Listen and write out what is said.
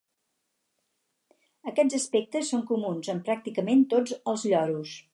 Aquests aspectes són comuns en pràcticament tots els lloros.